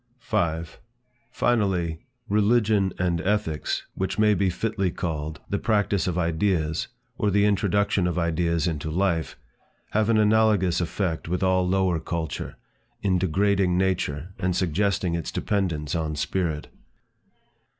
5. Finally, religion and ethics, which may be fitly called, the practice of ideas, or the introduction of ideas into life, have an analogous effect with all lower culture, in degrading nature and suggesting its dependence on spirit.